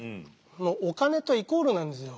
お金とイコールなんですよ。